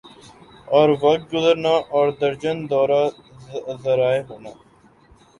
اور وقت گزرنا اور درجن دورہ ذرائع ہونا